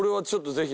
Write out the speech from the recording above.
ぜひ。